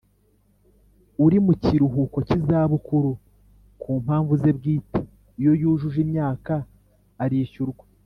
Uri mu kiruhuko cy’izabukuru ku mpamvu ze bwite iyo yujuje imyaka arishyurwa